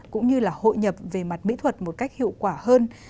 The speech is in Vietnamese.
cũng như là hội nhập về mặt mỹ thuật một cách hiệu quả hơn